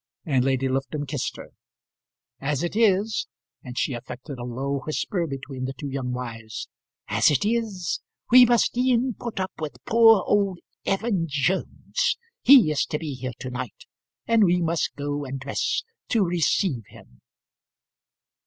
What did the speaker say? And Lady Lufton kissed her. "As it is," and she affected a low whisper between the two young wives "as it is, we must e'en put up with poor old Evan Jones. He is to be here to night, and we must go and dress to receive him."